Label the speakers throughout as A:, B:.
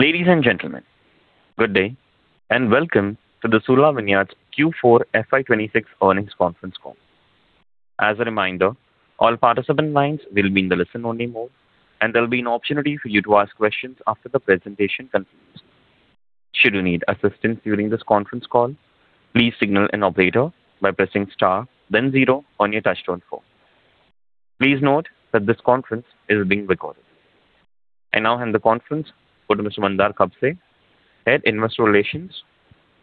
A: Ladies and gentlemen, good day, and welcome to the Sula Vineyards Q4 FY 2026 earnings conference call. As a reminder, all participant lines will be in the listen-only mode, and there'll be an opportunity for you to ask questions after the presentation concludes. Should you need assistance during this conference call, please signal an operator by pressing star then zero on your touchtone phone. Please note that this conference is being recorded. I now hand the conference over to Mr. Mandar Kapse, Head Investor Relations.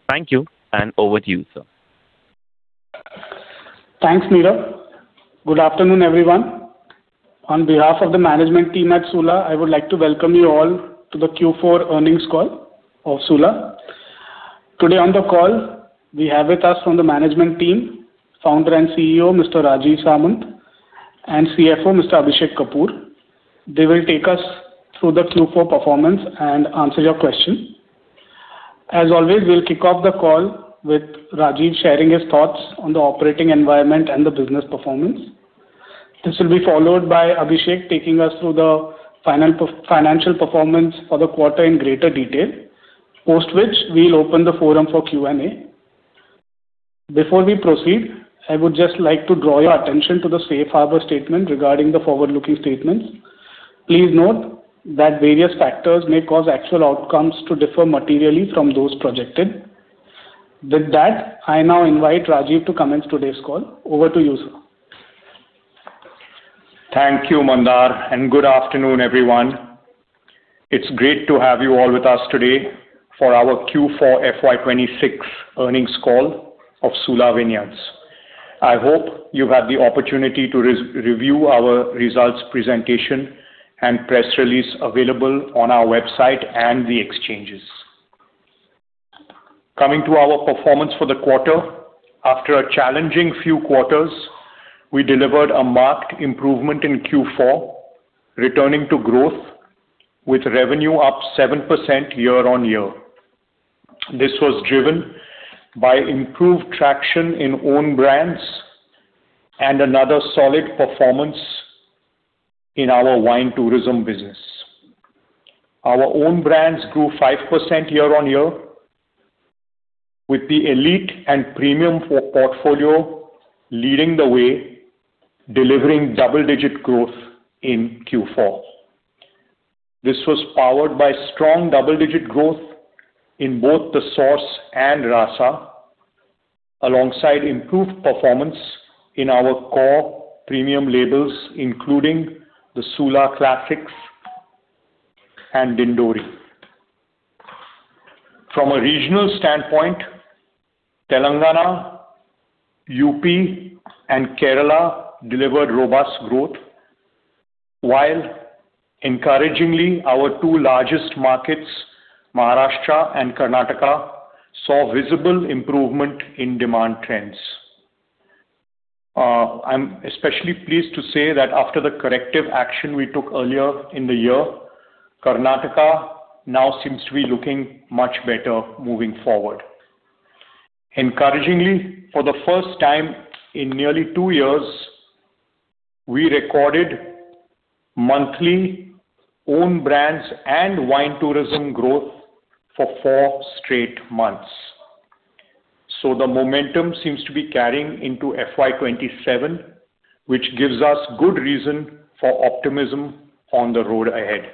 A: Thank you, and over to you, sir.
B: Thanks, Neeraj. Good afternoon, everyone. On behalf of the management team at Sula, I would like to welcome you all to the Q4 earnings call of Sula. Today on the call we have with us from the management team, Founder and CEO, Mr. Rajeev Samant, and CFO, Mr. Abhishek Kapoor. They will take us through the Q4 performance and answer your questions. As always, we'll kick off the call with Rajeev sharing his thoughts on the operating environment and the business performance. This will be followed by Abhishek taking us through the financial performance for the quarter in greater detail, post which we'll open the forum for Q&A. Before we proceed, I would just like to draw your attention to the safe harbor statement regarding the forward-looking statements. Please note that various factors may cause actual outcomes to differ materially from those projected. With that, I now invite Rajeev to commence today's call. Over to you, sir.
C: Thank you, Mandar, and good afternoon, everyone. It's great to have you all with us today for our Q4 FY 2026 earnings call of Sula Vineyards. I hope you've had the opportunity to review our results presentation and press release available on our website and the exchanges. Coming to our performance for the quarter, after a challenging few quarters, we delivered a marked improvement in Q4, returning to growth with revenue up 7% year-on-year. This was driven by improved traction in own brands and another solid performance in our wine tourism business. Our own brands grew 5% year-on-year, with the elite and premium portfolio leading the way, delivering double-digit growth in Q4. This was powered by strong double-digit growth in both The Source and Rasa, alongside improved performance in our core premium labels, including the Sula Classics and Dindori. From a regional standpoint, Telangana, UP, and Kerala delivered robust growth, while encouragingly, our two largest markets, Maharashtra and Karnataka, saw visible improvement in demand trends. I'm especially pleased to say that after the corrective action we took earlier in the year, Karnataka now seems to be looking much better moving forward. Encouragingly, for the first time in nearly two years, we recorded monthly own brands and wine tourism growth for four straight months. The momentum seems to be carrying into FY 2027, which gives us good reason for optimism on the road ahead.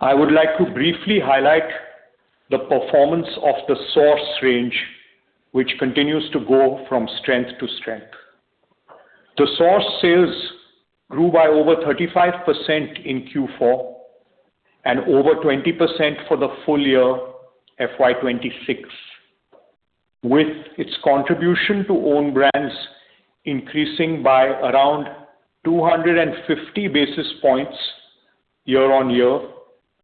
C: I would like to briefly highlight the performance of The Source range, which continues to go from strength to strength. The Source sales grew by over 35% in Q4 and over 20% for the full year FY 2026, with its contribution to own brands increasing by around 250 basis points year-on-year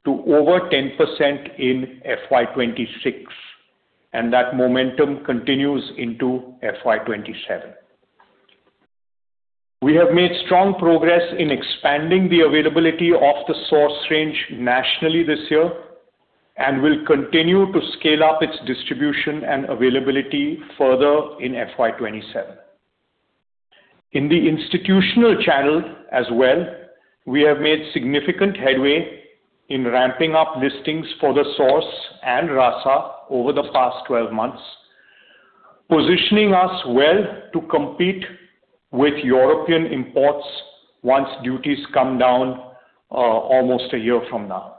C: to over 10% in FY 2026. That momentum continues into FY 2027. We have made strong progress in expanding the availability of The Source range nationally this year and will continue to scale up its distribution and availability further in FY 2027. In the institutional channel as well, we have made significant headway in ramping up listings for The Source and Rāsā over the past 12 months, positioning us well to compete with European imports once duties come down, almost a year from now.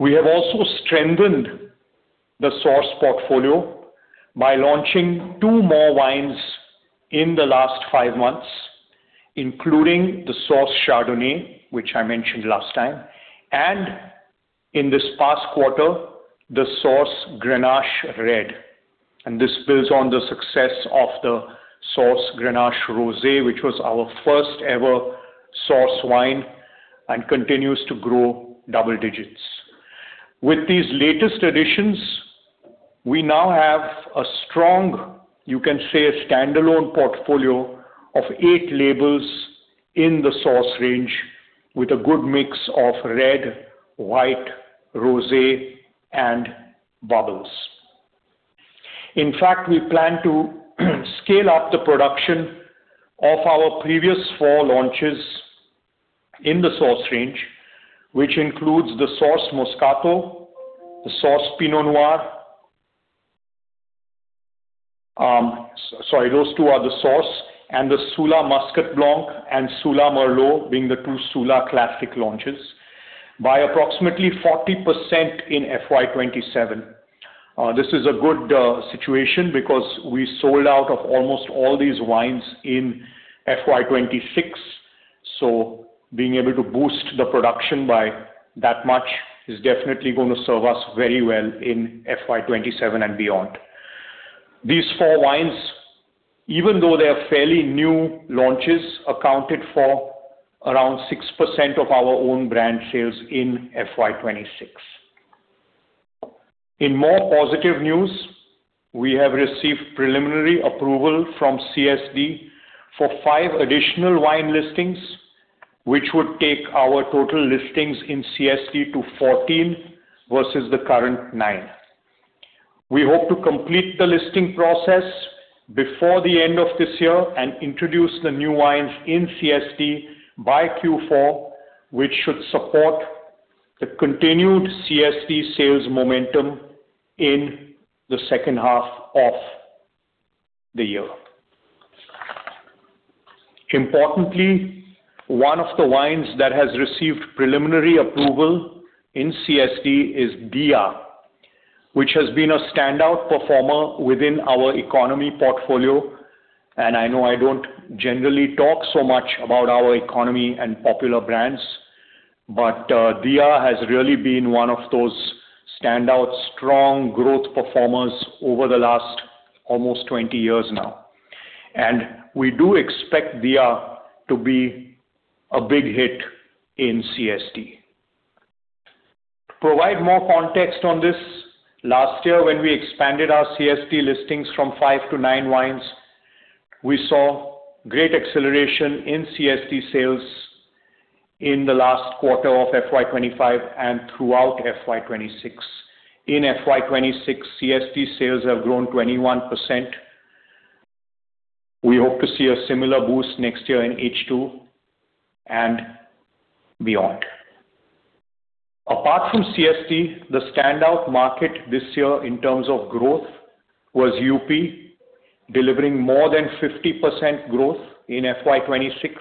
C: We have also strengthened the Source portfolio by launching two more wines in the last five months, including the Source Chardonnay, which I mentioned last time, and in this past quarter, the Source Grenache Red, and this builds on the success of the Source Grenache Rosé, which was our first ever Source wine and continues to grow double digits. With these latest additions, we now have a strong, you can say, a standalone portfolio of eight labels in the Source range with a good mix of red, white, rosé, and bubbles. In fact, we plan to scale up the production of our previous four launches in the Source range, which includes the Source Moscato, the Source Pinot Noir. Sorry, those two are the Source and the Sula Muscat Blanc and Sula Merlot being the two Sula classic launches by approximately 40% in FY 2027. This is a good situation because we sold out of almost all these wines in FY 2026. Being able to boost the production by that much is definitely gonna serve us very well in FY 2027 and beyond. These four wines, even though they are fairly new launches, accounted for around 6% of our own brand sales in FY 2026. In more positive news, we have received preliminary approval from CSD for five additional wine listings, which would take our total listings in CSD to 14 versus the current nine. We hope to complete the listing process before the end of this year and introduce the new wines in CSD by Q4, which should support the continued CSD sales momentum in the second half of the year. One of the wines that has received preliminary approval in CSD is Dia, which has been a standout performer within our economy portfolio. I know I don't generally talk so much about our economy and popular brands, Dia has really been one of those standout strong growth performers over the last almost 20 years now. We do expect Dia to be a big hit in CSD. To provide more context on this, last year when we expanded our CSD listings from five to nine wines, we saw great acceleration in CSD sales in the last quarter of FY 2025 and throughout FY 2026. In FY 2026, CSD sales have grown 21%. We hope to see a similar boost next year in H2 and beyond. Apart from CSD, the standout market this year in terms of growth was UP, delivering more than 50% growth in FY 2026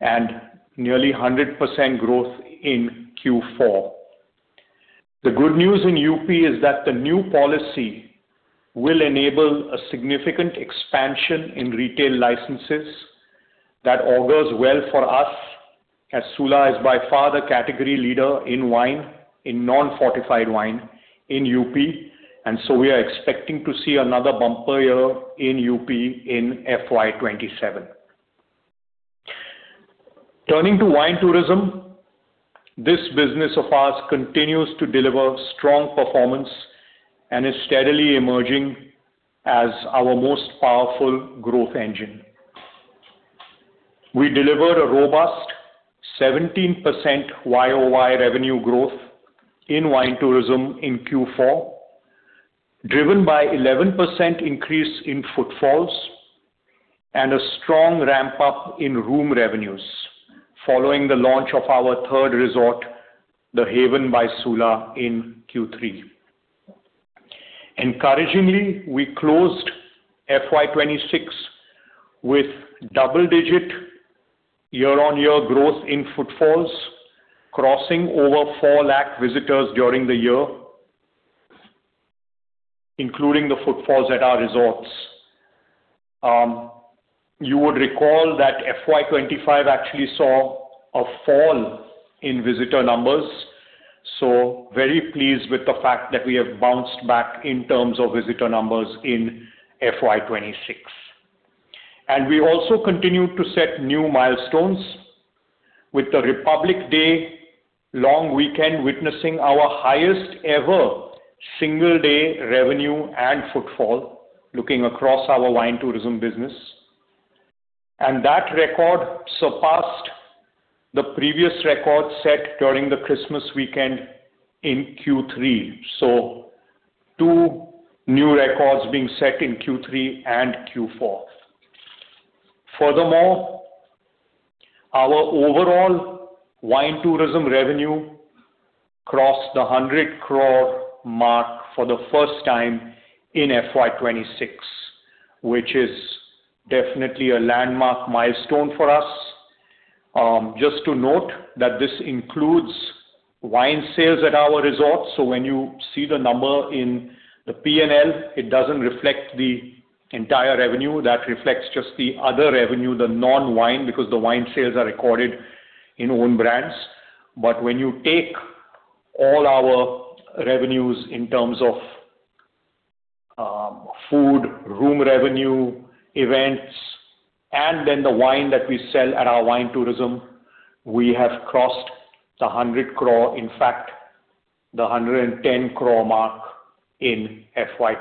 C: and nearly 100% growth in Q4. The good news in UP is that the new policy will enable a significant expansion in retail licenses that augurs well for us as Sula is by far the category leader in wine, in non-fortified wine in UP, and so we are expecting to see another bumper year in UP in FY 2027. Turning to wine tourism, this business of ours continues to deliver strong performance and is steadily emerging as our most powerful growth engine. We delivered a robust 17% YOY revenue growth in wine tourism in Q4, driven by 11% increase in footfalls and a strong ramp-up in room revenues following the launch of our third resort, The Haven by Sula, in Q3. Encouragingly, we closed FY 2026 with double-digit year-on-year growth in footfalls, crossing over 4 lakh visitors during the year, including the footfalls at our resorts. You would recall that FY 2025 actually saw a fall in visitor numbers. Very pleased with the fact that we have bounced back in terms of visitor numbers in FY 2026. We also continued to set new milestones with the Republic Day long weekend witnessing our highest ever single-day revenue and footfall looking across our wine tourism business. That record surpassed the previous record set during the Christmas weekend in Q3. Two new records being set in Q3 and Q4. Furthermore, our overall wine tourism revenue crossed the 100 crore mark for the first time in FY 2026, which is definitely a landmark milestone for us. Just to note that this includes wine sales at our resorts. When you see the number in the P&L, it doesn't reflect the entire revenue. That reflects just the other revenue, the non-wine, because the wine sales are recorded in own brands. When you take all our revenues in terms of food, room revenue, events, and then the wine that we sell at our wine tourism, we have crossed the 100 crore. In fact, the 110 crore mark in FY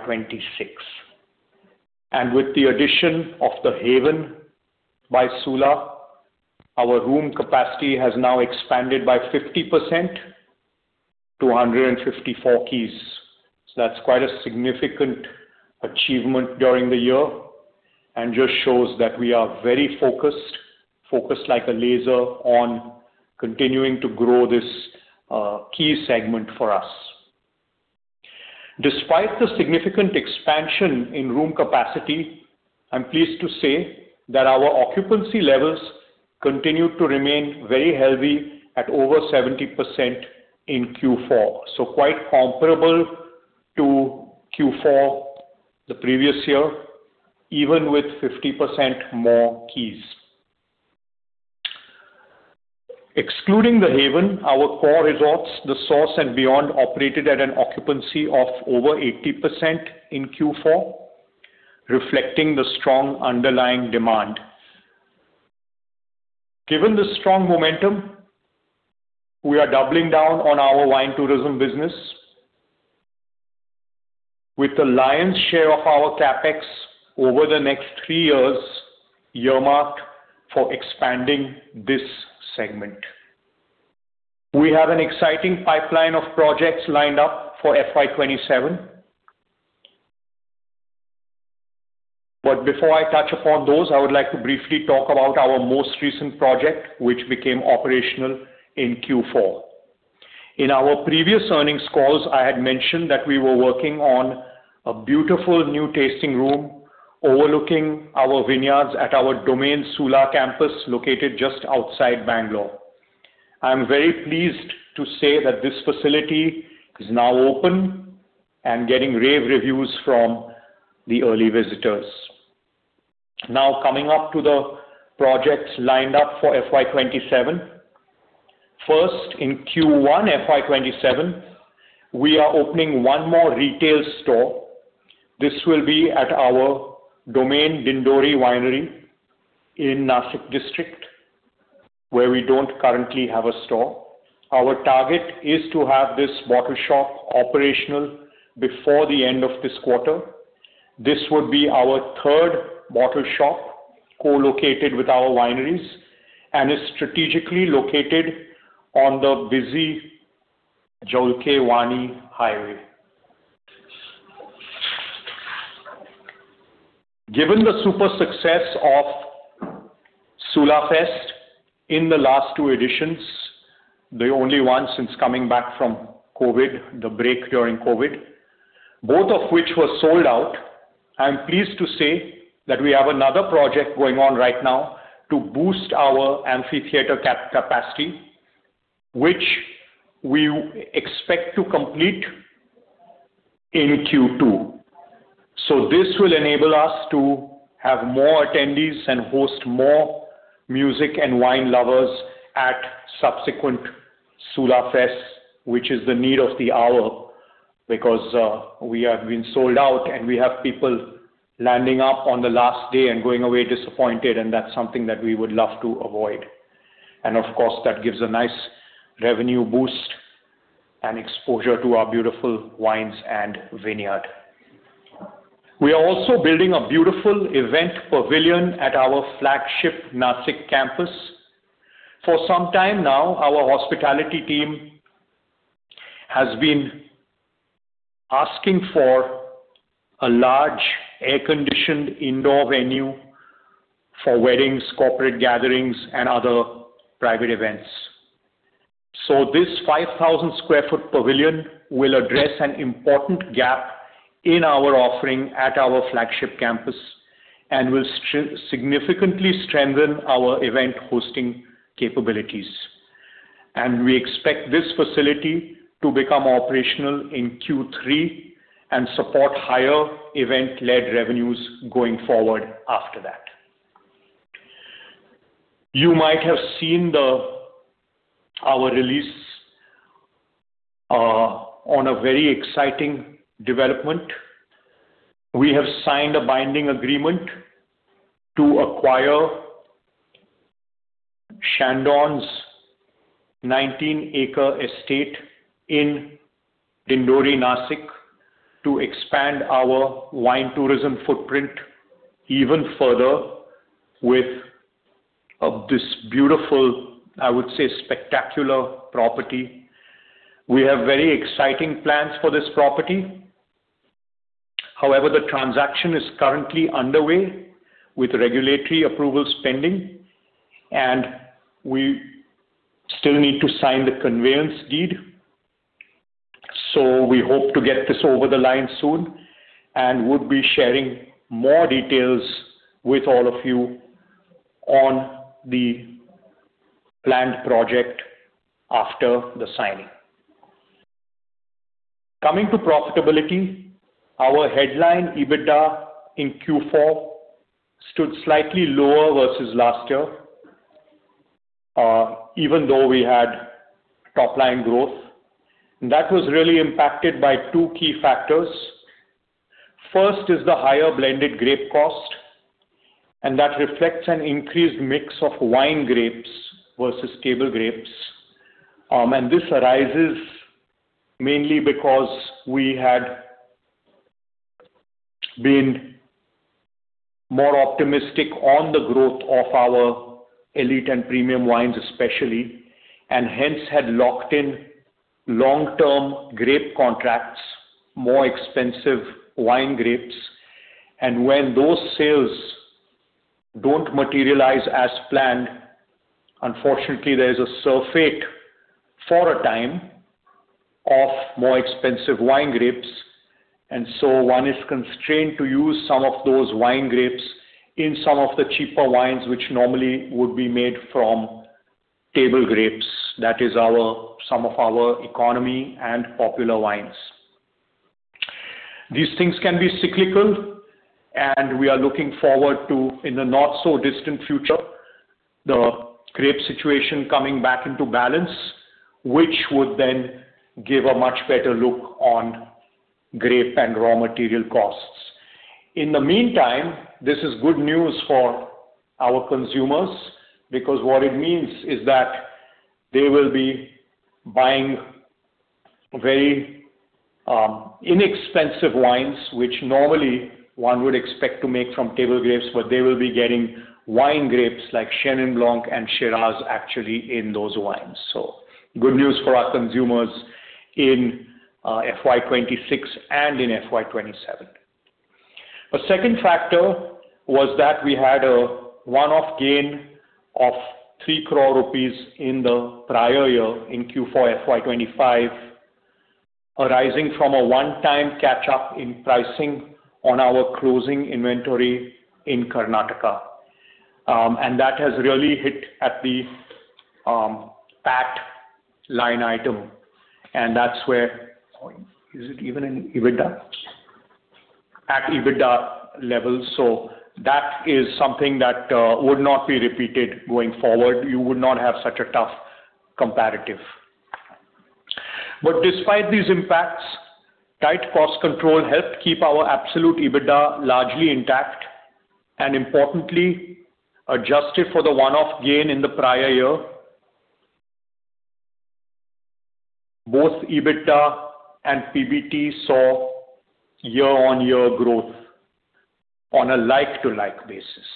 C: 2026. With the addition of The Haven by Sula, our room capacity has now expanded by 50% to 154 keys. That's quite a significant achievement during the year and just shows that we are very focused like a laser on continuing to grow this key segment for us. Despite the significant expansion in room capacity, I'm pleased to say that our occupancy levels continue to remain very healthy at over 70% in Q4. Quite comparable to Q4 the previous year, even with 50% more keys. Excluding the Haven, our core resorts, The Source and Beyond, operated at an occupancy of over 80% in Q4, reflecting the strong underlying demand. Given the strong momentum, we are doubling down on our wine tourism business with the lion's share of our CapEx over the next three years earmarked for expanding this segment. We have an exciting pipeline of projects lined up for FY 2027. Before I touch upon those, I would like to briefly talk about our most recent project, which became operational in Q4. In our previous earnings calls, I had mentioned that we were working on a beautiful new tasting room overlooking our vineyards at our Domaine Sula campus located just outside Bangalore. I'm very pleased to say that this facility is now open and getting rave reviews from the early visitors. Coming up to the projects lined up for FY 2027. First, in Q1 FY 2027, we are opening one more retail store. This will be at our Domaine Dindori winery in Nashik district, where we don't currently have a store. Our target is to have this bottle shop operational before the end of this quarter. This would be our third bottle shop co-located with our wineries and is strategically located on the busy Jalgaon-Wani Highway. Given the super success of SulaFest in the last two editions, the only one since coming back from COVID, the break during COVID, both of which were sold out, I am pleased to say that we have another project going on right now to boost our amphitheater capacity, which we expect to complete in Q2. This will enable us to have more attendees and host more music and wine lovers at subsequent SulaFests, which is the need of the hour because we have been sold out, and we have people landing up on the last day and going away disappointed, that's something that we would love to avoid. Of course, that gives a nice revenue boost and exposure to our beautiful wines and vineyard. We are also building a beautiful event pavilion at our flagship Nashik campus. For some time now, our hospitality team has been asking for a large air-conditioned indoor venue for weddings, corporate gatherings, and other private events. This 5,000 sq ft pavilion will address an important gap in our offering at our flagship campus and will significantly strengthen our event hosting capabilities. We expect this facility to become operational in Q3 and support higher event-led revenues going forward after that. You might have seen our release on a very exciting development. We have signed a binding agreement to acquire Chandon's 19-acre estate in Dindori, Nashik, to expand our wine tourism footprint even further with this beautiful, I would say spectacular property. We have very exciting plans for this property. However, the transaction is currently underway with regulatory approvals pending, and we still need to sign the conveyance deed. We hope to get this over the line soon and would be sharing more details with all of you on the planned project after the signing. Coming to profitability, our headline EBITDA in Q4 stood slightly lower versus last year, even though we had top-line growth. That was really impacted by two key factors. First, is the higher blended grape cost. That reflects an increased mix of wine grapes versus table grapes. This arises mainly because we had been more optimistic on the growth of our elite and premium wines especially, and hence had locked in long-term grape contracts, more expensive wine grapes. When those sales don't materialize as planned, unfortunately there is a surplus for a time of more expensive wine grapes, so one is constrained to use some of those wine grapes in some of the cheaper wines which normally would be made from table grapes. That is some of our economy and popular wines. These things can be cyclical, and we are looking forward to, in the not so distant future, the grape situation coming back into balance, which would then give a much better look on grape and raw material costs. In the meantime, this is good news for our consumers because what it means is that they will be buying very inexpensive wines, which normally one would expect to make from table grapes, but they will be getting wine grapes like Chenin Blanc and Shiraz actually in those wines. Good news for our consumers in FY 2026 and in FY 2027. A second factor was that we had a one-off gain of 3 crore rupees in the prior year in Q4 FY 2025, arising from a one-time catch-up in pricing on our closing inventory in Karnataka. That has really hit at the PAT line item, and that is where Or is it even in EBITDA? At EBITDA levels. That is something that would not be repeated going forward. You would not have such a tough comparative. Despite these impacts, tight cost control helped keep our absolute EBITDA largely intact, and importantly, adjusted for the one-off gain in the prior year both EBITDA and PBT saw year-on-year growth on a like-to-like basis.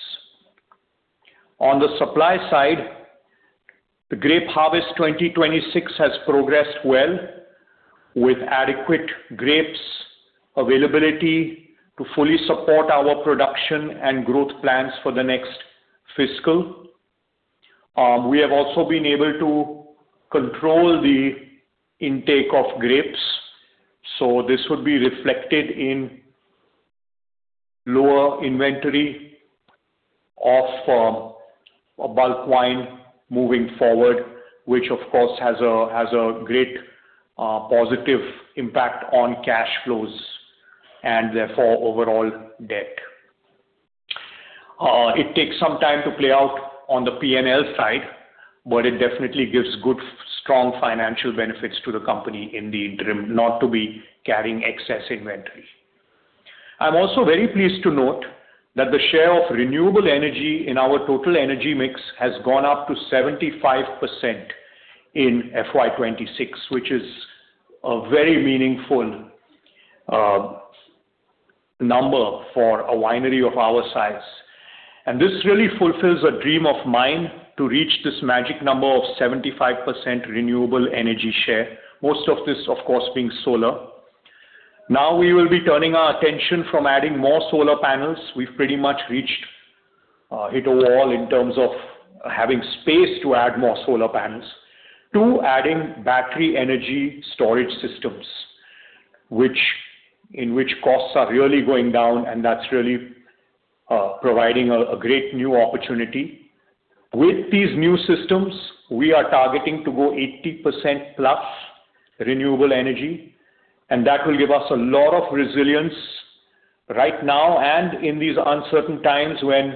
C: On the supply side, the grape harvest 2026 has progressed well with adequate grapes availability to fully support our production and growth plans for the next fiscal. We have also been able to control the intake of grapes, so this would be reflected in lower inventory of bulk wine moving forward, which of course has a great positive impact on cash flows and therefore overall debt. It takes some time to play out on the P&L side, but it definitely gives good strong financial benefits to the company in the interim not to be carrying excess inventory. I'm also very pleased to note that the share of renewable energy in our total energy mix has gone up to 75% in FY 2026, which is a very meaningful number for a winery of our size. This really fulfills a dream of mine to reach this magic number of 75% renewable energy share. Most of this, of course, being solar. We will be turning our attention from adding more solar panels. We've pretty much reached a wall in terms of having space to add more solar panels to adding battery energy storage systems, which costs are really going down, and that's really providing a great new opportunity. With these new systems, we are targeting to go 80% plus renewable energy, that will give us a lot of resilience right now and in these uncertain times when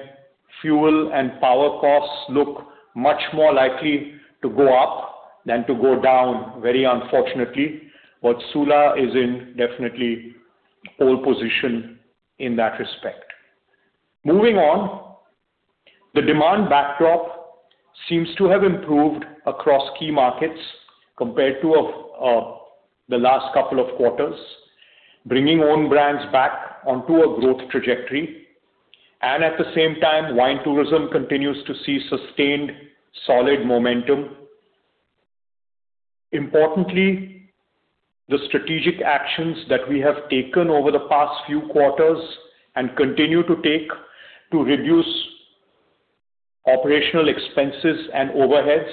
C: fuel and power costs look much more likely to go up than to go down, very unfortunately. Sula is in definitely pole position in that respect. Moving on, the demand backdrop seems to have improved across key markets compared to the last couple of quarters, bringing own brands back onto a growth trajectory and at the same time, wine tourism continues to see sustained solid momentum. Importantly, the strategic actions that we have taken over the past few quarters and continue to take to reduce operational expenses and overheads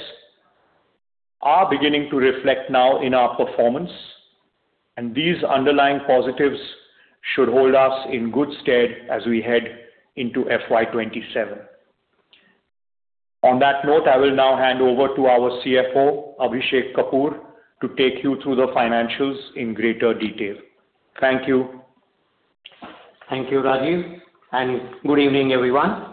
C: are beginning to reflect now in our performance, and these underlying positives should hold us in good stead as we head into FY 2027. On that note, I will now hand over to our CFO, Abhishek Kapoor, to take you through the financials in greater detail. Thank you.
D: Thank you, Rajeev, and good evening, everyone.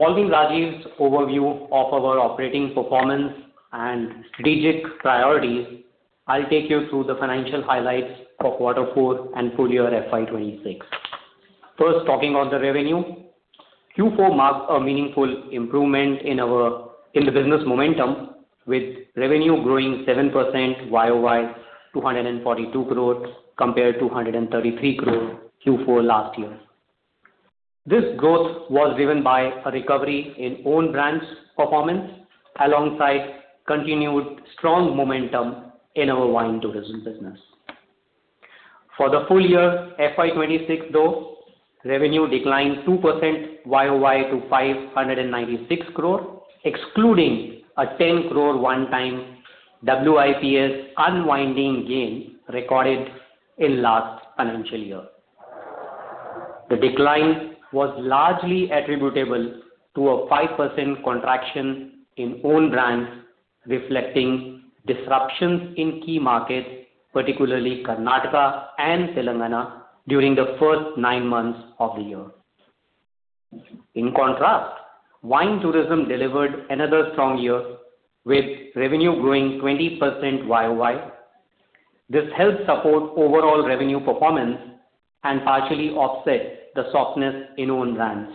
D: Following Rajeev Samant's overview of our operating performance and strategic priorities, I'll take you through the financial highlights of quarter four and full year FY 2026. First, talking on the revenue. Q4 marks a meaningful improvement in the business momentum with revenue growing 7% YOY, 242 crore compared to 133 crore Q4 last year. This growth was driven by a recovery in own brands performance alongside continued strong momentum in our wine tourism business. For the full year FY 2026, though, revenue declined 2% YOY to 596 crore, excluding a 10 crore one-time WIPS unwinding gain recorded in last financial year. The decline was largely attributable to a 5% contraction in own brands, reflecting disruptions in key markets, particularly Karnataka and Telangana during the first nine months of the year. In contrast, wine tourism delivered another strong year with revenue growing 20% YOY. This helped support overall revenue performance and partially offset the softness in own brands.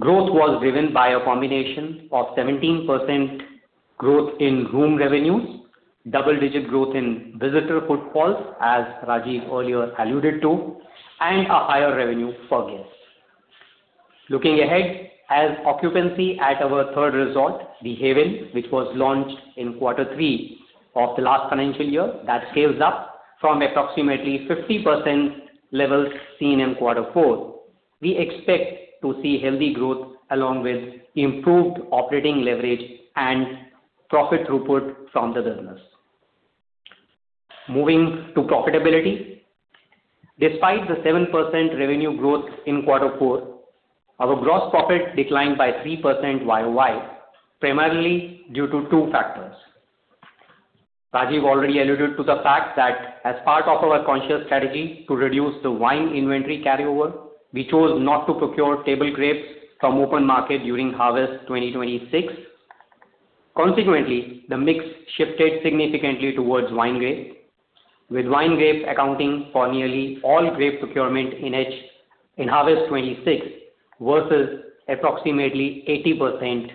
D: Growth was driven by a combination of 17% growth in room revenues, double-digit growth in visitor footfalls, as Rajeev earlier alluded to, and a higher revenue per guest. Looking ahead, as occupancy at our third resort, The Haven by Sula, which was launched in quarter three of the last financial year, that scales up from approximately 50% levels seen in quarter four. We expect to see healthy growth along with improved operating leverage and profit throughput from the business. Moving to profitability. Despite the 7% revenue growth in quarter four, our gross profit declined by 3% YOY, primarily due to two factors. Rajeev already alluded to the fact that as part of our conscious strategy to reduce the wine inventory carryover, we chose not to procure table grapes from open market during harvest 2026. Consequently, the mix shifted significantly towards wine grape, with wine grape accounting for nearly all grape procurement in harvest 2026 versus approximately 80%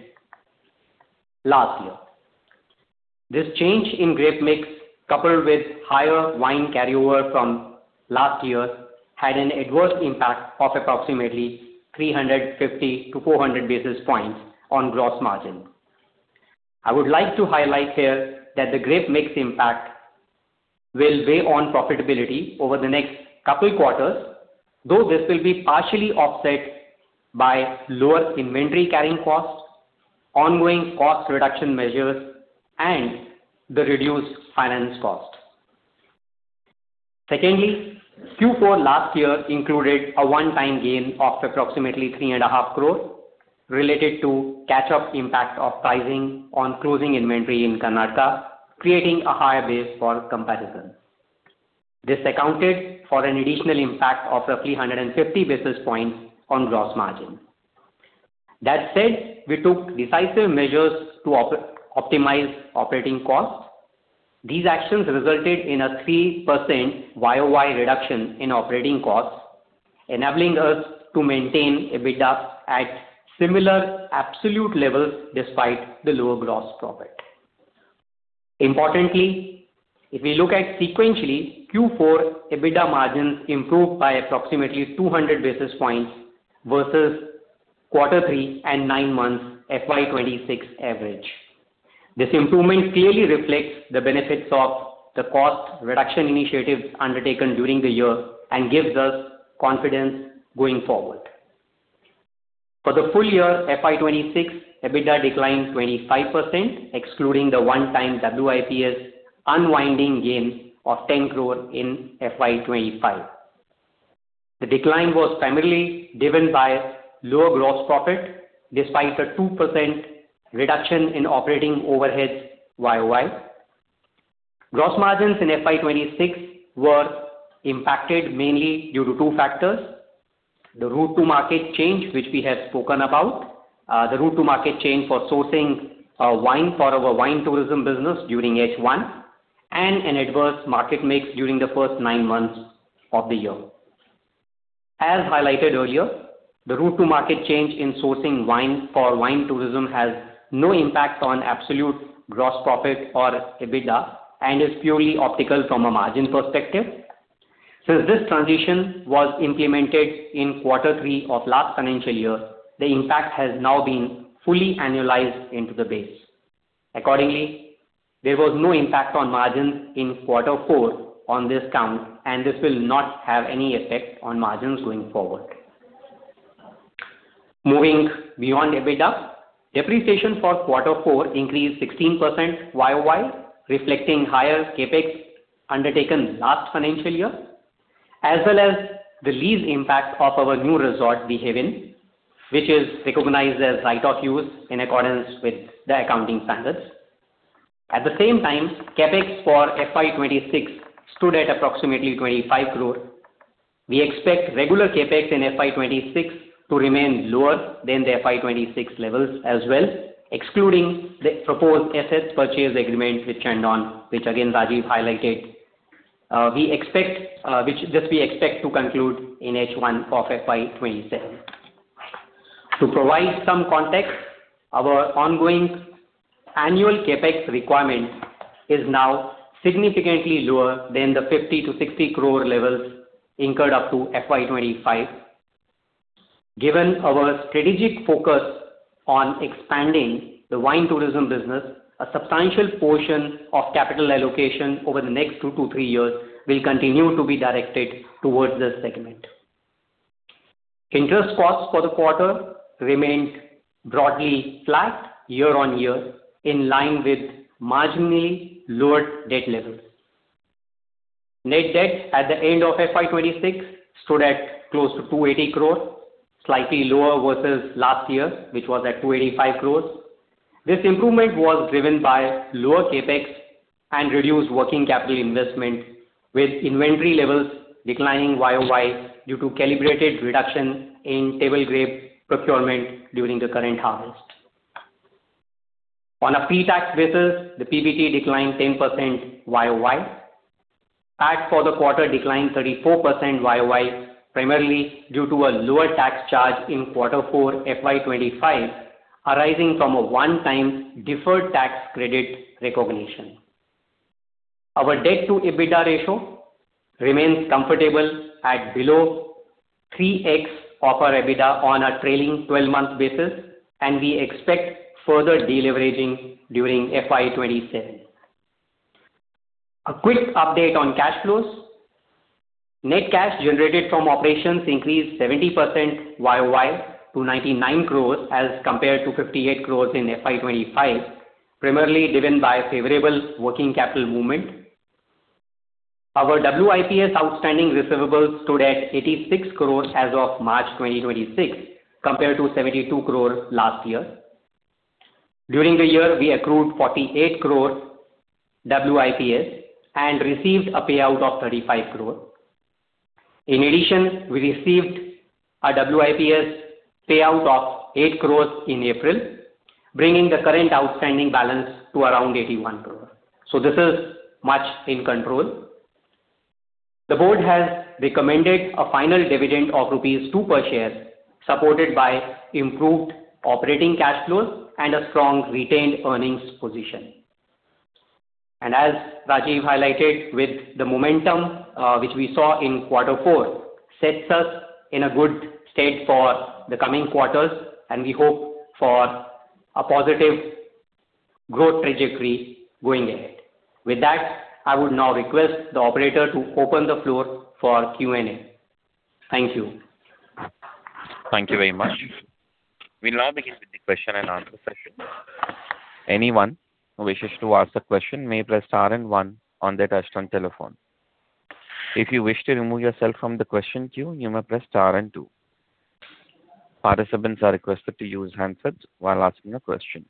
D: last year. This change in grape mix, coupled with higher wine carryover from last year, had an adverse impact of approximately 350 to 400 basis points on gross margin. I would like to highlight here that the grape mix impact will weigh on profitability over the next couple quarters, though this will be partially offset by lower inventory carrying costs, ongoing cost reduction measures, and the reduced finance cost. Q4 last year included a one-time gain of approximately 3.5 crore related to catch-up impact of pricing on closing inventory in Karnataka, creating a higher base for comparison. This accounted for an additional impact of roughly 150 basis points on gross margin. We took decisive measures to optimize operating costs. These actions resulted in a 3% YOY reduction in operating costs, enabling us to maintain EBITDA at similar absolute levels despite the lower gross profit. If we look at sequentially, Q4 EBITDA margins improved by approximately 200 basis points versus quarter three and nine months FY 2026 average. This improvement clearly reflects the benefits of the cost reduction initiatives undertaken during the year and gives us confidence going forward. For the full year FY 2026, EBITDA declined 25%, excluding the one-time WIPS unwinding gain of 10 crore in FY 2025. The decline was primarily driven by lower gross profit despite a 2% reduction in operating overhead YOY. Gross margins in FY 2026 were impacted mainly due to two factors. The route to market change, which we have spoken about, the route to market change for sourcing wine for our wine tourism business during H1, and an adverse market mix during the first nine months of the year. As highlighted earlier, the route to market change in sourcing wine for wine tourism has no impact on absolute gross profit or EBITDA and is purely optical from a margin perspective. Since this transition was implemented in quarter three of last financial year, the impact has now been fully annualized into the base. Accordingly, there was no impact on margins in quarter four on this count, and this will not have any effect on margins going forward. Moving beyond EBITDA, depreciation for quarter four increased 16% YOY, reflecting higher CapEx undertaken last financial year, as well as the lease impact of our new resort The Haven, which is recognized as right of use in accordance with the accounting standards. At the same time, CapEx for FY 2026 stood at approximately 25 crore. We expect regular CapEx in FY 2026 to remain lower than the FY 2026 levels as well, excluding the proposed assets purchase agreement with Chandon, which again, Rajeev highlighted. We expect to conclude in H1 of FY 2027. To provide some context, our ongoing annual CapEx requirement is now significantly lower than the 50 crore-60 crore levels incurred up to FY 2025. Given our strategic focus on expanding the wine tourism business, a substantial portion of capital allocation over the next two to three years will continue to be directed towards this segment. Interest costs for the quarter remained broadly flat year-on-year, in line with marginally lower debt levels. Net debt at the end of FY 2026 stood at close to 280 crore, slightly lower versus last year, which was at 285 crore. This improvement was driven by lower CapEx and reduced working capital investment, with inventory levels declining YOY due to calibrated reduction in table grape procurement during the current harvest. On a pre-tax basis, the PBT declined 10% YOY. Tax for the quarter declined 34% YOY, primarily due to a lower tax charge in Q4 FY 2025, arising from a one-time deferred tax credit recognition. Our debt to EBITDA ratio remains comfortable at below 3x of our EBITDA on a trailing twelve-month basis. We expect further deleveraging during FY 2027. A quick update on cash flows. Net cash generated from operations increased 70% YOY to 99 crore as compared to 58 crore in FY 2025, primarily driven by favorable working capital movement. Our WIPS outstanding receivables stood at 86 crore rupees as of March 2026, compared to 72 crore last year. During the year, we accrued 48 crore WIPS and received a payout of 35 crore. In addition, we received a WIPS payout of 8 crore in April, bringing the current outstanding balance to around 81 crore. This is much in control. The board has recommended a final dividend of rupees 2 crore per share, supported by improved operating cash flows and a strong retained earnings position. As Rajeev highlighted, with the momentum which we saw in quarter four sets us in a good state for the coming quarters, and we hope for a positive growth trajectory going ahead. With that, I would now request the operator to open the floor for Q&A. Thank you.
A: Thank you very much. We now begin with the question and answer session. Participants are requested to use handsets while asking a question.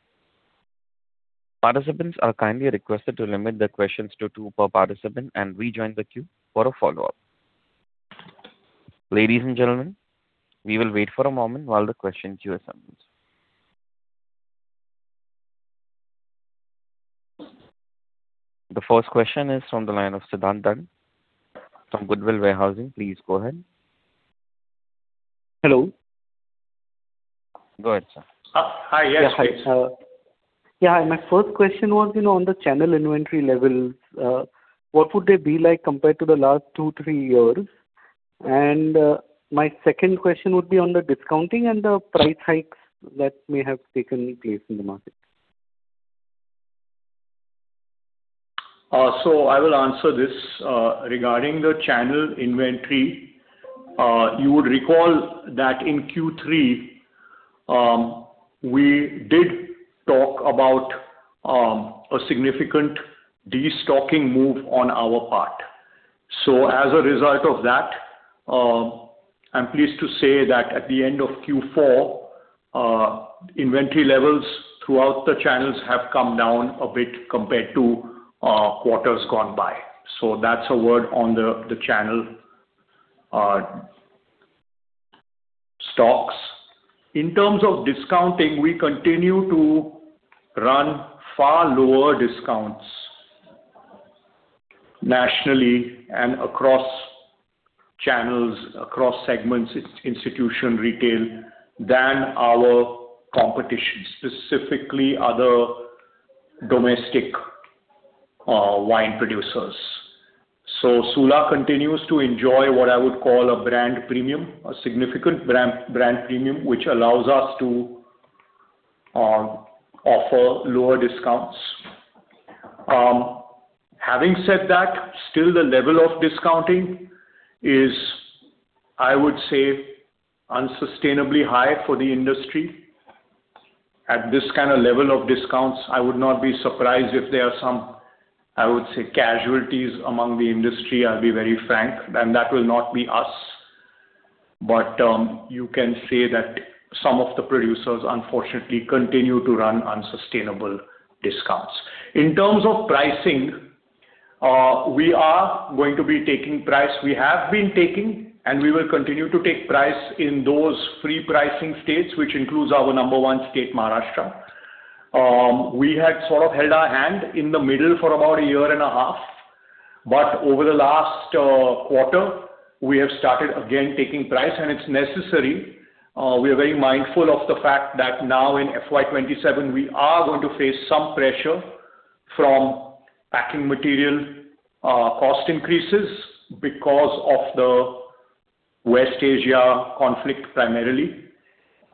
A: Participants are kindly requested to limit their questions to two per participant and rejoin the queue for a follow-up. Ladies and gentlemen, we will wait for a moment while the question queue assembles. The first question is from the line of Siddhant Dand from Goodwill Warehousing. Please go ahead.
E: Hello.
A: Go ahead, sir.
C: Hi. Yes, please.
E: Yeah. Yeah. My first question was, you know, on the channel inventory levels, what would they be like compared to the last two, three years? My second question would be on the discounting and the price hikes that may have taken place in the market.
C: I will answer this regarding the channel inventory. You would recall that in Q3, we did talk about a significant destocking move on our part. As a result of that, I'm pleased to say that at the end of Q4, inventory levels throughout the channels have come down a bit compared to quarters gone by. That's a word on the channel stocks. In terms of discounting, we continue to run far lower discounts nationally and across channels, across segments, in-institution retail than our competition, specifically other domestic wine producers. Sula continues to enjoy what I would call a brand premium, a significant brand premium, which allows us to offer lower discounts. Having said that, still the level of discounting is, I would say, unsustainably high for the industry. At this kind of level of discounts, I would not be surprised if there are some, I would say, casualties among the industry. I'll be very frank, and that will not be us. You can say that some of the producers unfortunately continue to run unsustainable discounts. In terms of pricing, we are going to be taking price. We have been taking, and we will continue to take price in those free pricing states, which includes our number one state, Maharashtra. We had sort of held our hand in the middle for about a year and a half. Over the last quarter, we have started again taking price, and it's necessary. We are very mindful of the fact that now in FY 2027 we are going to face some pressure from packing material cost increases because of the West Asia conflict primarily.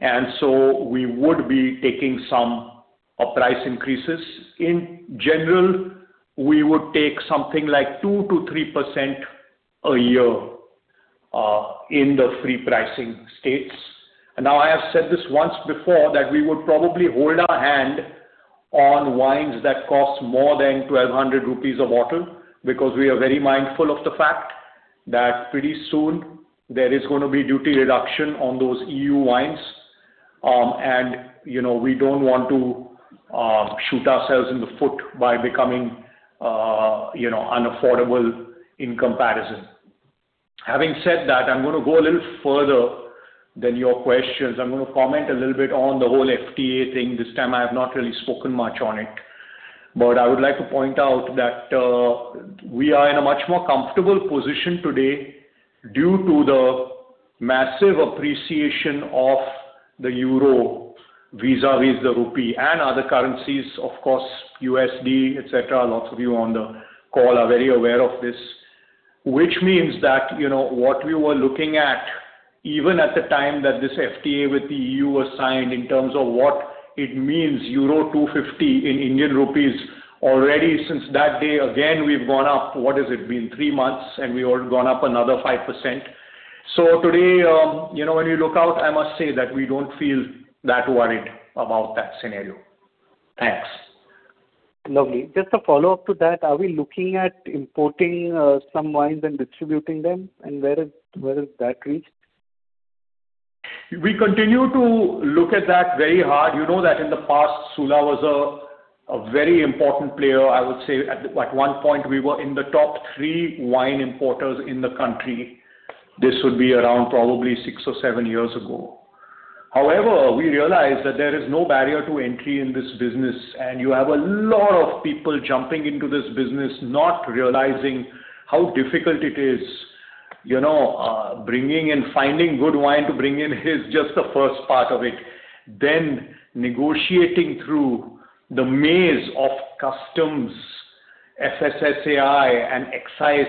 C: We would be taking some of price increases. In general, we would take something like 2%-3% a year in the free pricing states. I have said this once before, that we would probably hold our hand on wines that cost more than 1,200 crore rupees a bottle because we are very mindful of the fact that pretty soon there is gonna be duty reduction on those EU wines. You know, we don't want to shoot ourselves in the foot by becoming, you know, unaffordable in comparison. Having said that, I'm gonna go a little further than your questions. I'm gonna comment a little bit on the whole FTA thing. This time I have not really spoken much on it. I would like to point out that we are in a much more comfortable position today due to the massive appreciation of the euro vis-a-vis the rupee and other currencies, of course, USD, et cetera. Lots of you on the call are very aware of this. Which means that, you know, what we were looking at, even at the time that this FTA with the EU was signed in terms of what it means, euro 250 in Indian Rupees already since that day, again, we've gone up, what has it been? Three months, we all gone up another 5%. Today, you know, when you look out, I must say that we don't feel that worried about that scenario. Thanks.
E: Lovely. Just a follow-up to that. Are we looking at importing some wines and distributing them? Where is that reached?
C: We continue to look at that very hard. You know that in the past Sula was a very important player. I would say at one point we were in the top three wine importers in the country. This would be around probably six or seven years ago. We realized that there is no barrier to entry in this business, and you have a lot of people jumping into this business not realizing how difficult it is. You know, bringing and finding good wine to bring in is just the first part of it. Negotiating through the maze of customs, FSSAI, and excise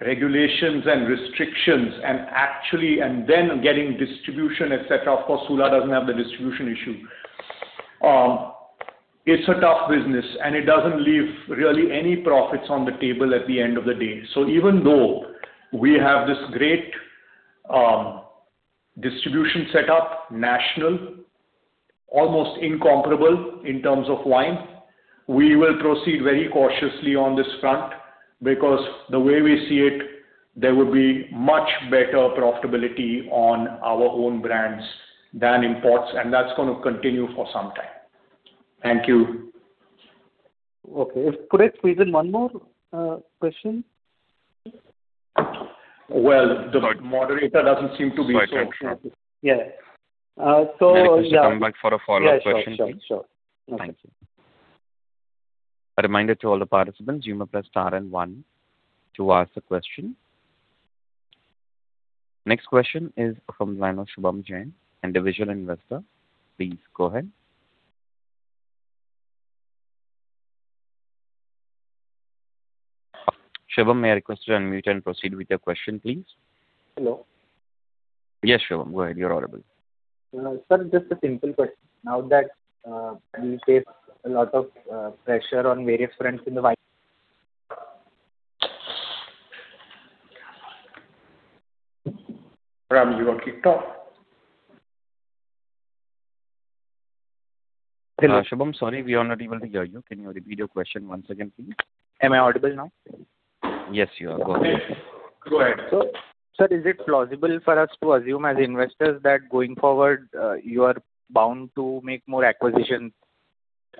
C: regulations and restrictions and then getting distribution, et cetera. Sula doesn't have the distribution issue. It's a tough business, and it doesn't leave really any profits on the table at the end of the day. Even though we have this great distribution setup, national, almost incomparable in terms of wine, we will proceed very cautiously on this front because the way we see it, there will be much better profitability on our own brands than imports, and that's gonna continue for some time. Thank you.
E: Okay. Could I squeeze in one more question?
C: Well, the moderator doesn't seem to be so.
A: Quite sure.
E: Yeah. Yeah.
A: May I request you come back for a follow-up question, please?
E: Yeah, sure. Sure, sure.
A: Thank you. A reminder to all the participants, you may press star and one to ask a question. Next question is from the line of Shubham Jain, Individual Investor. Please go ahead. Shubham, may I request you unmute and proceed with your question, please?
F: Hello.
A: Yes, Shubham. Go ahead. You're audible.
F: Sir, just a simple question. Now that we face a lot of pressure on various fronts in the wine.
C: Shubham, you are kicked off. Shubham, sorry we are not able to hear you. Can you repeat your question once again, please?
F: Am I audible now?
A: Yes, you are. Go ahead.
C: Yes. Go ahead.
F: Sir, is it plausible for us to assume as investors that going forward, you are bound to make more acquisitions,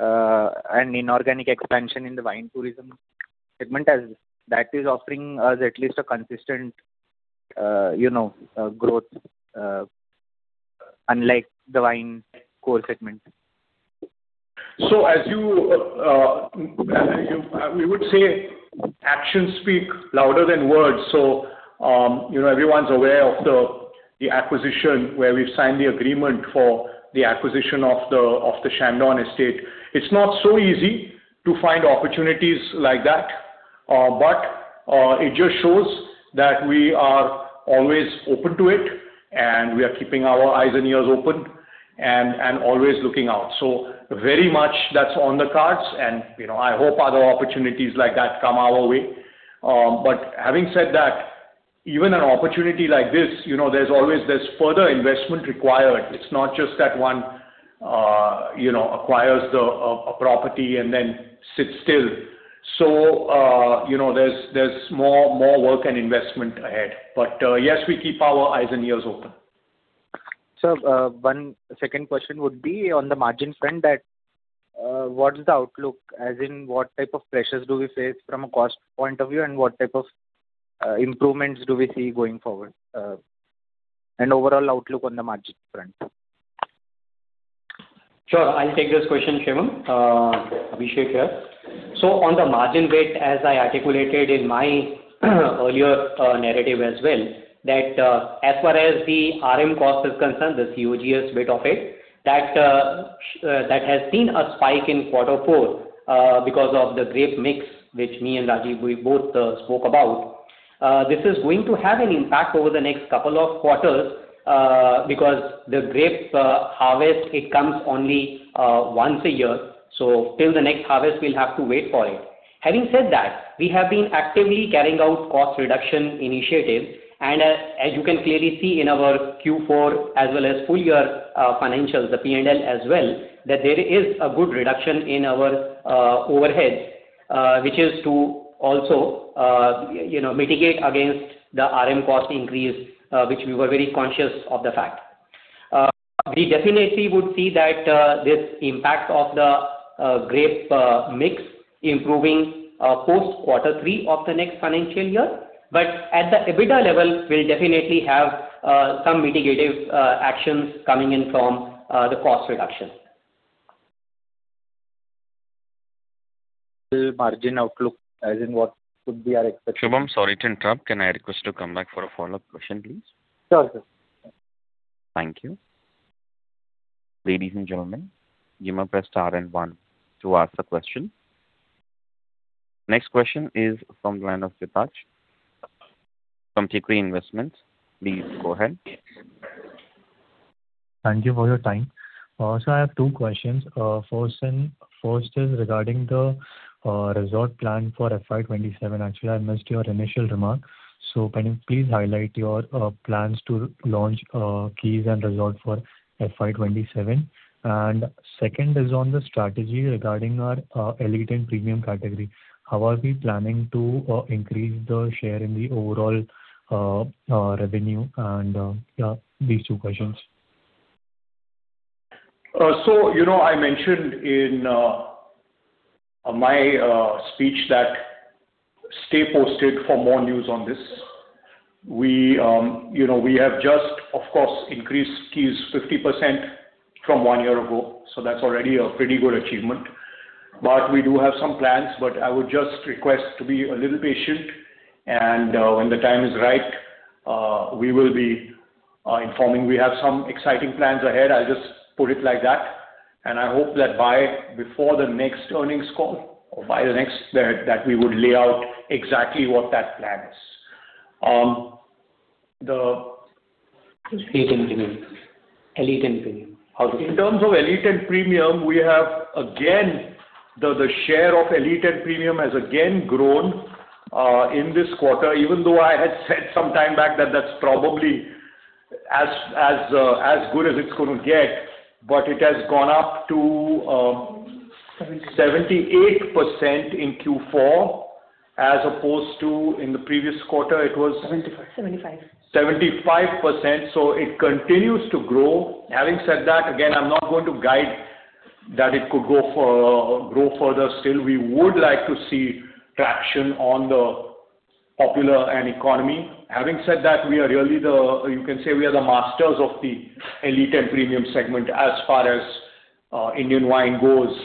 F: and inorganic expansion in the wine tourism segment, as that is offering us at least a consistent, you know, growth, unlike the wine core segment?
C: As you, we would say actions speak louder than words. You know, everyone's aware of the acquisition where we've signed the agreement for the acquisition of the Chandon estate. It's not so easy to find opportunities like that. It just shows that we are always open to it, and we are keeping our eyes and ears open and always looking out. Very much that's on the cards and, you know, I hope other opportunities like that come our way. Having said that, even an opportunity like this, you know, there's always this further investment required. It's not just that one, you know, acquires the property and then sits still. You know, there's more work and investment ahead. Yes, we keep our eyes and ears open.
F: Sir, one second question would be on the margin front that, what is the outlook? As in, what type of pressures do we face from a cost point of view, and what type of improvements do we see going forward? Overall outlook on the margin front.
D: Sure. I'll take this question, Shubham. Abhishek here. On the margin bit, as I articulated in my earlier narrative as well, that as far as the RM cost is concerned, the COGS bit of it, that has seen a spike in quarter four because of the grape mix, which me and Rajeev, we both spoke about. This is going to have an impact over the next couple of quarters, because the grape harvest, it comes only once a year, so till the next harvest we'll have to wait for it. Having said that, we have been actively carrying out cost reduction initiatives, as you can clearly see in our Q4 as well as full year financials, the P&L as well, that there is a good reduction in our overheads, which is to also, you know, mitigate against the RM cost increase, which we were very conscious of the fact. We definitely would see that this impact of the grape mix improving post quarter three of the next financial year. At the EBITDA level we'll definitely have some mitigative actions coming in from the cost reduction.
F: The margin outlook, as in what could be our expectation?
A: Shubham, sorry to interrupt. Can I request you to come back for a follow-up question, please?
F: Sure, sir.
A: Thank you. Ladies and gentlemen, you may press star and one to ask a question. Next question is from the line of [Depach from JQ Investments]. Please go ahead.
G: Thank you for your time. I have two questions. First is regarding the resort plan for FY 2027. Actually, I missed your initial remark. Can you please highlight your plans to launch Keys and resort for FY 2027? Second is on the strategy regarding our elite and premium category. How are we planning to increase the share in the overall revenue? Yeah, these two questions.
C: You know, I mentioned in my speech that stay posted for more news on this. We, you know, we have just, of course, increased Keys 50% from one year ago, so that's already a pretty good achievement. We do have some plans. I would just request to be a little patient, and when the time is right, we will be informing. We have some exciting plans ahead, I'll just put it like that. I hope that by before the next earnings call or by the next, that we would lay out exactly what that plan is.
D: Elite and premium. Elite and premium
C: In terms of elite and premium, we have, again, the share of elite and premium has again grown in this quarter, even though I had said some time back that that's probably as good as it's gonna get. It has gone up to.
D: Seventy.
C: 78% in Q4 as opposed to in the previous quarter it was-
D: 75%.
H: 78%.
C: 75%. It continues to grow. Having said that, again, I'm not going to guide that it could grow further still. We would like to see traction on the popular and economy. Having said that, we are really the, you can say we are the masters of the elite and premium segment as far as Indian wine goes.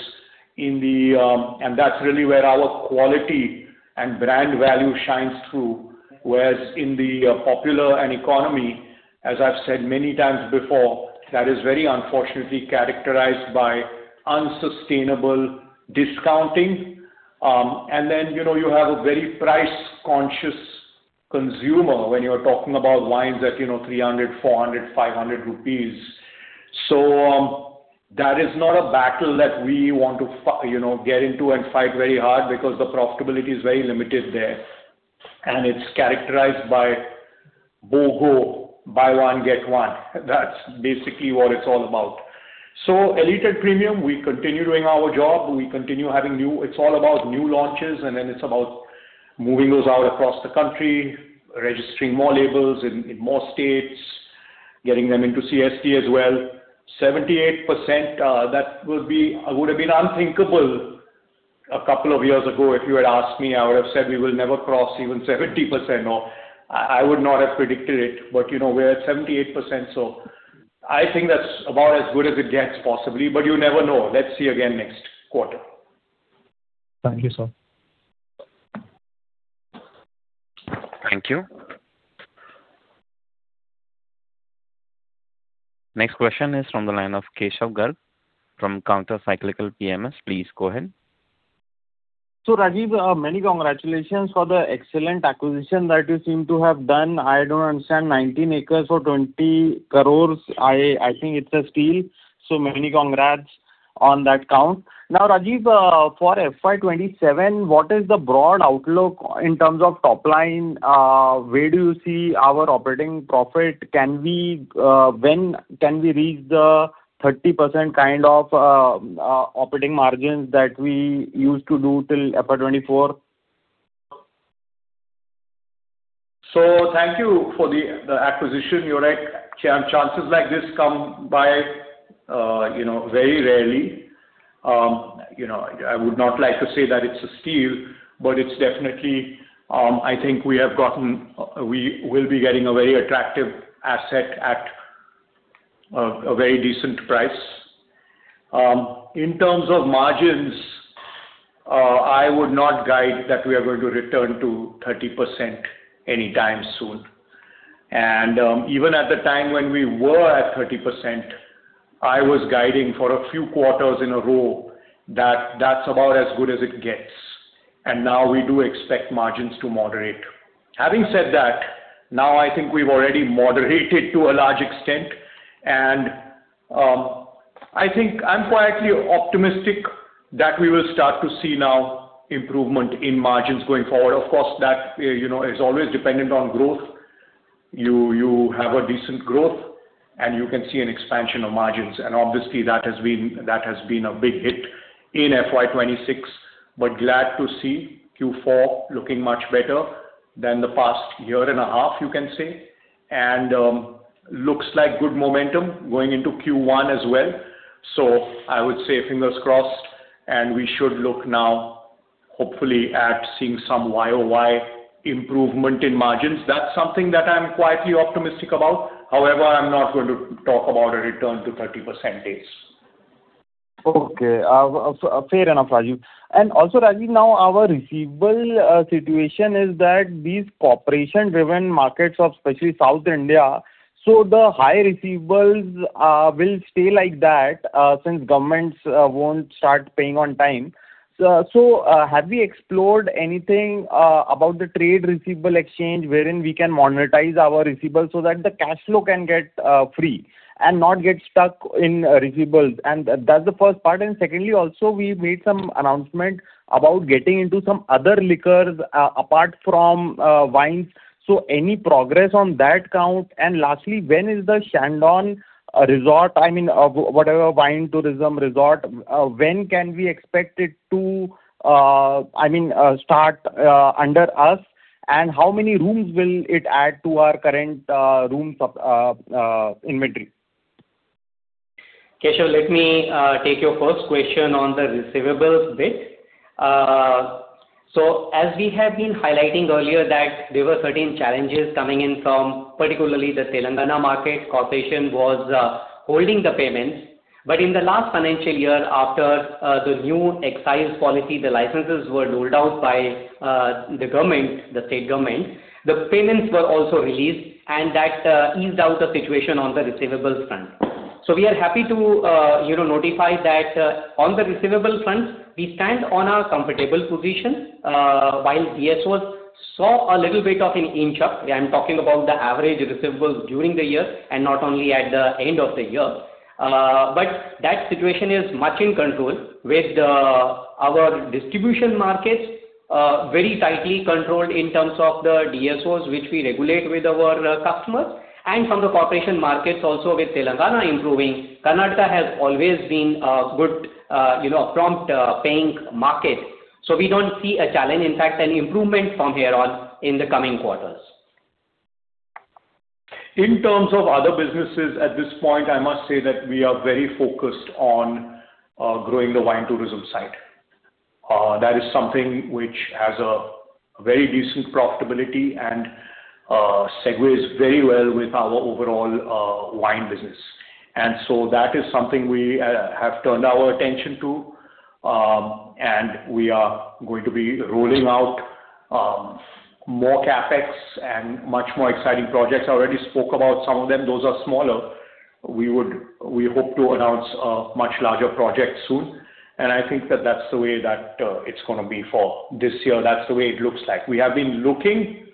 C: That's really where our quality and brand value shines through. Whereas in the popular and economy, as I've said many times before, that is very unfortunately characterized by unsustainable discounting. You know, you have a very price-conscious consumer when you are talking about wines at, you know, 300 crore, 400 crore, 500 crore rupees. That is not a battle that we want to, you know, get into and fight very hard because the profitability is very limited there, and it's characterized by BOGO, Buy One Get One. That's basically what it's all about. Elite and premium, we continue doing our job. We continue having new launches, and then it's about moving those out across the country, registering more labels in more states, getting them into CSD as well. 78%, that would have been unthinkable a couple of years ago if you had asked me. I would have said we will never cross even 70% or I would not have predicted it. You know, we're at 78%, I think that's about as good as it gets possibly. You never know. Let's see again next quarter.
G: Thank you, sir.
A: Thank you. Next question is from the line of Keshav Garg from Counter Cyclical PMS. Please go ahead.
I: Rajeev, many congratulations for the excellent acquisition that you seem to have done. I don't understand 19 acres for 20 crores. I think it's a steal, so many congrats on that count. Rajeev, for FY 2027, what is the broad outlook in terms of top line? Where do you see our operating profit? Can we, when can we reach the 30% kind of operating margins that we used to do till FY 2024?
C: Thank you for the acquisition. You're right. Chances like this come by, you know, very rarely. You know, I would not like to say that it's a steal, but it's definitely, I think we will be getting a very attractive asset at a very decent price. In terms of margins, I would not guide that we are going to return to 30% anytime soon. Even at the time when we were at 30%, I was guiding for a few quarters in a row that that's about as good as it gets, and now we do expect margins to moderate. Having said that, now I think we've already moderated to a large extent, and I think I'm quietly optimistic that we will start to see now improvement in margins going forward. Of course, that, you know, is always dependent on growth. You have a decent growth, and you can see an expansion of margins, and obviously that has been a big hit in FY 2026. Glad to see Q4 looking much better than the past year and a half, you can say, and looks like good momentum going into Q1 as well. I would say fingers crossed, and we should look now hopefully at seeing some YOY improvement in margins. That's something that I'm quietly optimistic about. However, I'm not going to talk about a return to 30% days.
I: Okay. Fair enough, Rajeev. Also, Rajeev, now our receivable situation is that these corporation-driven markets of especially South India, the high receivables will stay like that since governments won't start paying on time. Have we explored anything about the trade receivable exchange wherein we can monetize our receivables so that the cash flow can get free and not get stuck in receivables? That is the first part. Secondly, also, we made some announcement about getting into some other liquors apart from wines. Any progress on that count? Lastly, when is the Chandon resort, I mean, whatever wine tourism resort, when can we expect it to, I mean, start under us, and how many rooms will it add to our current rooms of inventory?
D: Keshav, let me take your first question on the receivables bit. As we have been highlighting earlier that there were certain challenges coming in from particularly the Telangana market. Corporation was holding the payments. In the last financial year, after the new excise policy, the licenses were doled out by the government, the state government. The payments were also released, and that eased out the situation on the receivables front. We are happy to, you know, notify that on the receivables front, we stand on a comfortable position. While DSOs saw a little bit of an inch up, I'm talking about the average receivables during the year and not only at the end of the year. That situation is much in control with our distribution markets, very tightly controlled in terms of the DSOs which we regulate with our customers, and from the corporation markets also with Telangana improving. Karnataka has always been a good, you know, prompt, paying market. We don't see a challenge, in fact, any improvement from here on in the coming quarters.
C: In terms of other businesses, at this point, I must say that we are very focused on growing the wine tourism side. That is something which has a very decent profitability and segues very well with our overall wine business. That is something we have turned our attention to. We are going to be rolling out more CapEx and much more exciting projects. I already spoke about some of them. Those are smaller. We hope to announce a much larger project soon. I think that that's the way that it's gonna be for this year. That's the way it looks like. We have been looking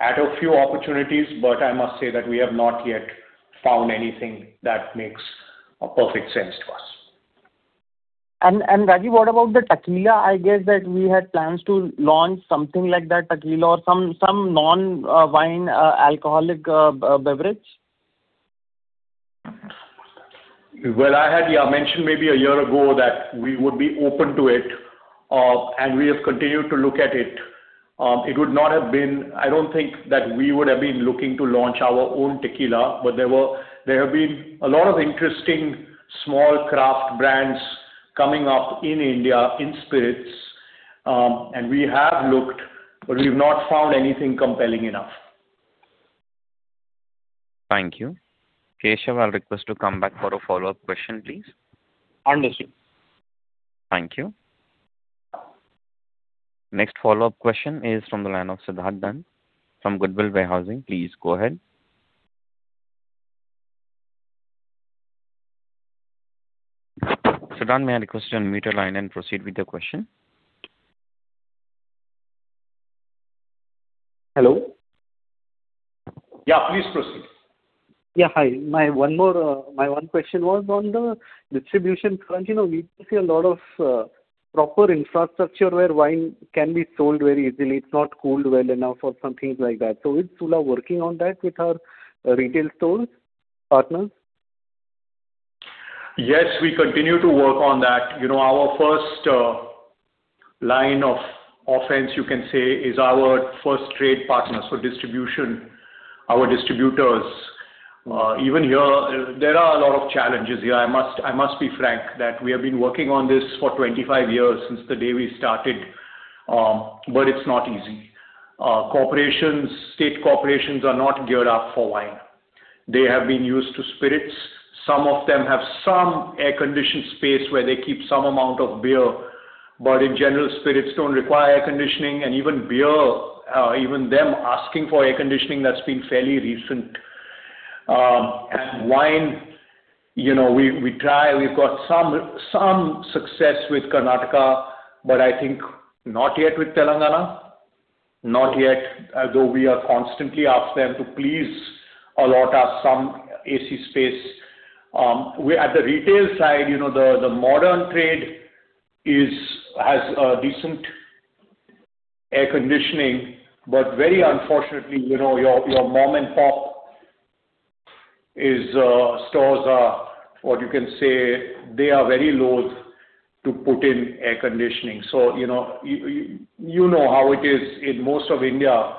C: at a few opportunities, but I must say that we have not yet found anything that makes a perfect sense to us.
I: Rajeev, what about the tequila? I guess that we had plans to launch something like that, tequila or some non-wine alcoholic beverage.
C: Well, I had, yeah, mentioned maybe a year ago that we would be open to it, and we have continued to look at it. I don't think that we would have been looking to launch our own tequila, but there have been a lot of interesting small craft brands coming up in India in spirits. We have looked, but we've not found anything compelling enough.
A: Thank you. Keshav, I'll request to come back for a follow-up question, please.
I: Understood.
A: Thank you. Next follow-up question is from the line of Siddhant Dand from Goodwill Warehousing. Please go ahead. Siddhant, may I request you unmute your line and proceed with your question?
E: Hello.
C: Yeah, please proceed.
E: Yeah, hi. My one question was on the distribution front. You know, we see a lot of proper infrastructure where wine can be sold very easily. It's not cooled well enough or something like that. Is Sula working on that with our retail stores partners?
C: Yes, we continue to work on that. You know, our first line of offense, you can say, is our first trade partners for distribution, our distributors. Even here, there are a lot of challenges here. I must be frank that we have been working on this for 25 years since the day we started, but it's not easy. Corporations, state corporations are not geared up for wine. They have been used to spirits. Some of them have some air-conditioned space where they keep some amount of beer, but in general, spirits don't require air conditioning, and even beer, even them asking for air conditioning, that's been fairly recent. Wine, you know, we try. We've got some success with Karnataka, but I think not yet with Telangana. Not yet, although we are constantly ask them to please allot us some AC space. At the retail side, you know, the modern trade has decent air conditioning, but very unfortunately, you know, your mom-and-pop stores are, what you can say, they are very loath to put in air conditioning. You know, you know how it is in most of India.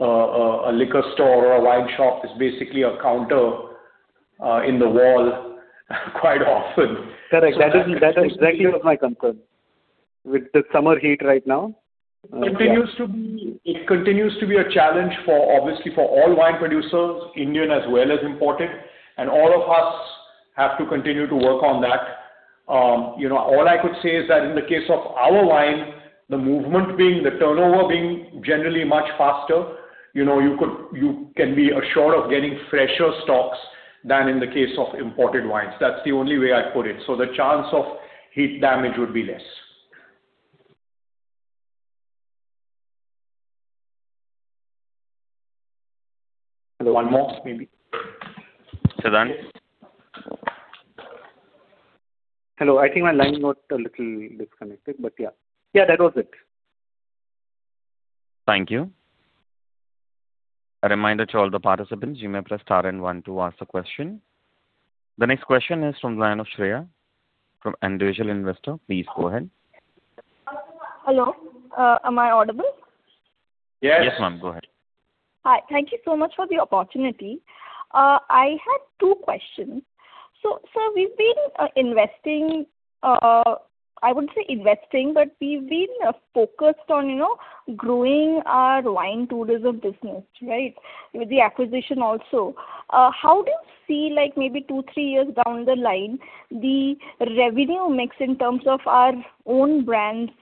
C: A liquor store or a wine shop is basically a counter in the wall quite often.
E: Correct. That exactly was my concern with the summer heat right now. Yeah.
C: It continues to be a challenge for, obviously, for all wine producers, Indian as well as imported, and all of us have to continue to work on that. You know, all I could say is that in the case of our wine, the movement being, the turnover being generally much faster, you know, you can be assured of getting fresher stocks than in the case of imported wines. That's the only way I put it. The chance of heat damage would be less.
E: Hello.
C: One more maybe.
A: Siddhant?
E: Hello. I think my line got a little disconnected, but yeah. Yeah, that was it.
A: Thank you. A reminder to all the participants, you may press star and one to ask a question. The next question is from Diana Shreya from Individual Investor. Please go ahead.
J: Hello. Am I audible?
C: Yes.
A: Yes, ma'am. Go ahead.
J: Hi. Thank you so much for the opportunity. I had two questions. Sir, we've been investing, I wouldn't say investing, but we've been focused on, you know, growing our wine tourism business, right? With the acquisition also. How do you see, like maybe two, three years down the line, the revenue mix in terms of our own brands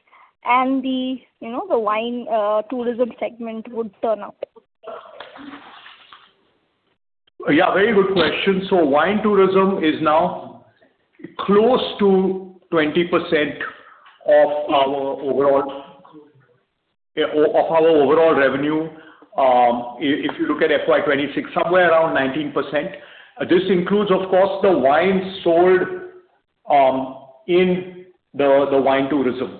J: and the, you know, the wine, tourism segment would turn out?
C: Yeah, very good question. Wine tourism is now close to 20% of our overall, of our overall revenue. If, if you look at FY 2026, somewhere around 19%. This includes, of course, the wine sold in the wine tourism.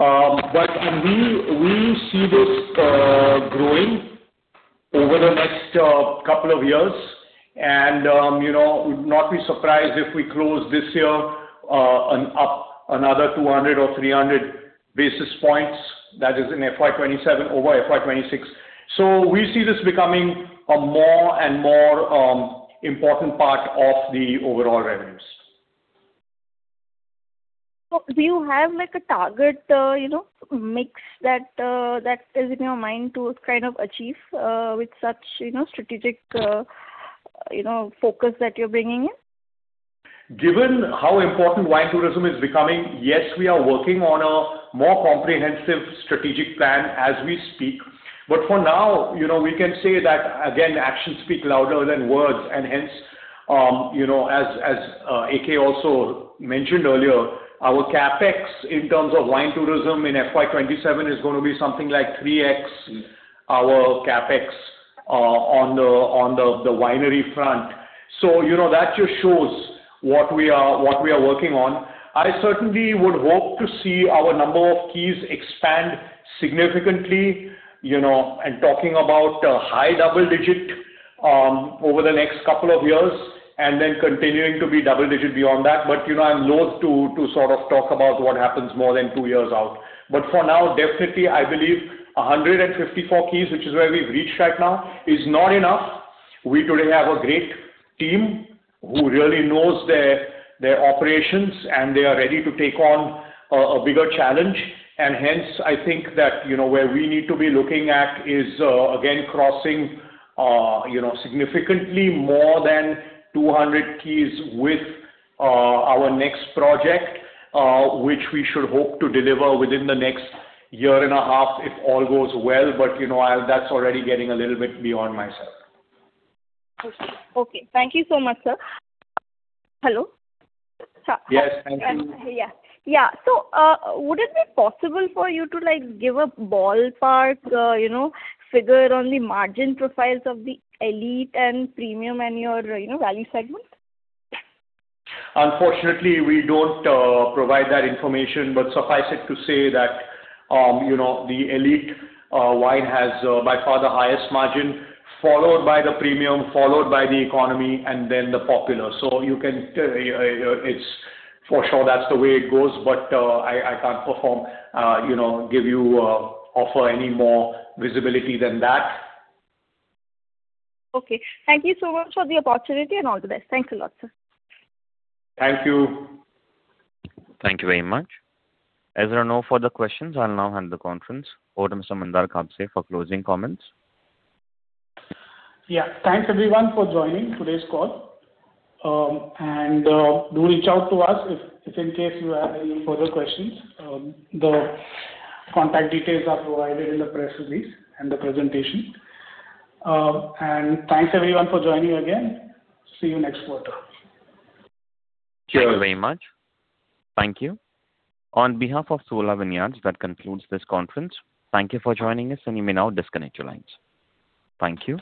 C: And we see this growing over the next couple of years and, you know, would not be surprised if we close this year up another 200 or 300 basis points, that is in FY 2027 over FY 2026. We see this becoming a more and more important part of the overall revenues.
J: Do you have like a target, you know, mix that is in your mind to kind of achieve, with such, you know, strategic, you know, focus that you're bringing in?
C: Given how important wine tourism is becoming, yes, we are working on a more comprehensive strategic plan as we speak. For now, you know, we can say that again, actions speak louder than words and hence, you know, as AK also mentioned earlier, our CapEx in terms of wine tourism in FY 2027 is gonna be something like 3x our CapEx on the winery front. You know, that just shows what we are working on. I certainly would hope to see our number of keys expand significantly, you know, and talking about high double-digit over the next couple of years, and then continuing to be double-digit beyond that. You know, I'm loath to sort of talk about what happens more than two years out. For now, definitely, I believe 154 keys, which is where we've reached right now, is not enough. We do have a great team who really knows their operations, and they are ready to take on a bigger challenge. Hence, I think that, you know, where we need to be looking at is again, crossing, you know, significantly more than 200 keys with our next project, which we should hope to deliver within the next year and a half if all goes well. You know, I'll that's already getting a little bit beyond myself.
J: Okay. Okay. Thank you so much, sir. Hello?
C: Yes. Thank you.
J: Yeah. Yeah. Would it be possible for you to like give a ballpark, you know, figure on the margin profiles of the elite and premium and your, you know, value segment?
C: Unfortunately, we don't provide that information, but suffice it to say that, you know, the elite wine has by far the highest margin, followed by the premium, followed by the economy, and then the popular. You can, it's for sure that's the way it goes, but I can't perform, you know, give you, offer any more visibility than that.
J: Okay. Thank you so much for the opportunity and all the best. Thanks a lot, sir.
C: Thank you.
A: Thank you very much. As there are no further questions, I'll now hand the conference over to Mr. Mandar Kapse for closing comments.
B: Yeah. Thanks everyone for joining today's call. Do reach out to us if in case you have any further questions. The contact details are provided in the press release and the presentation. Thanks everyone for joining again. See you next quarter.
C: Thank you.
A: Thank you very much. Thank you. On behalf of Sula Vineyards, that concludes this conference. Thank you for joining us, and you may now disconnect your lines. Thank you.